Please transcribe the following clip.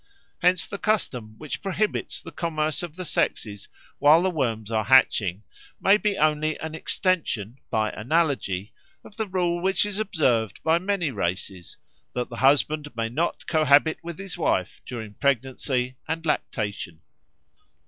Hence the custom which prohibits the commerce of the sexes while the worms are hatching may be only an extension, by analogy, of the rule which is observed by many races, that the husband may not cohabit with his wife during pregnancy and lactation.